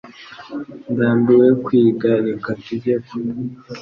Ndambiwe kwiga. Reka tujye kunywa.